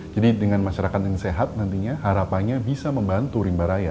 jadi dengan masyarakat yang sehat nantinya harapannya bisa membantu rimba raya